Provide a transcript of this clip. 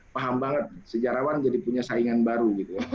paham banget sejarawan jadi punya saingan baru